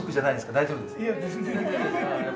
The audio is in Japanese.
大丈夫ですか？